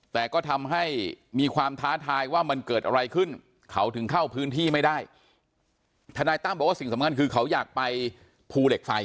แต่ก็ทำให้มีความท้าทายว่ามันเกิดอะไรขึ้นเขาถึงเข้าพื้นที่ไม่ได้ทนายตั้มบอกว่าสิ่งสำคัญคือเขาอยากไปภูเหล็กไฟ